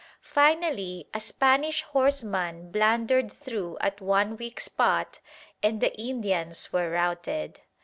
Finally a Spanish horseman blundered through at one weak spot and the Indians were routed.